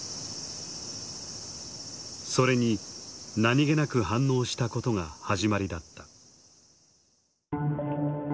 それに何気なく反応したことが始まりだった。